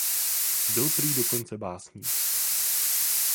Byl prý dokonce básník.